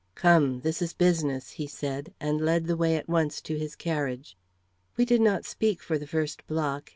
"Come; this is business," he said, and led the way at once to his carriage. We did not speak for the first block.